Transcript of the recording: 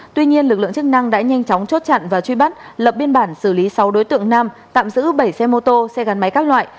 tuy nhiên lực lượng chức năng đã nhanh chóng chốt chặn và truy bắt lập biên bản xử lý sáu đối tượng nam tạm giữ bảy xe mô tô xe gắn máy các loại